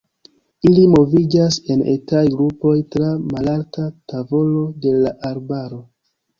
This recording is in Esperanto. Ili moviĝas en etaj grupoj tra malalta tavolo de la arbaro.